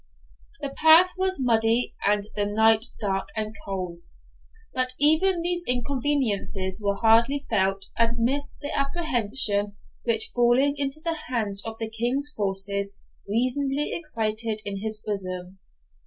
The path was muddy and the night dark and cold; but even these inconveniences were hardly felt amidst the apprehensions which falling into the hands of the King's forces reasonably excited in his bosom.